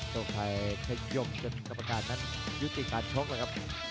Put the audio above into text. ต้องกายเทศยกจนกับประกาศนั้นยุติการช้องนะครับ